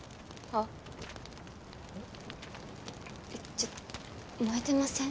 ちょっ燃えてません？